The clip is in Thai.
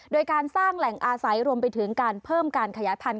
โดยการสร้างแหล่งอาศัยรวมไปถึงการเพิ่มการขยายพันธุ